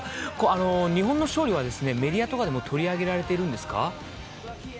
日本の勝利はメディアとかでも取り上げられていますか。